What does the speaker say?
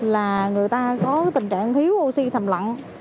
là người ta có tình trạng thiếu oxy thầm lặng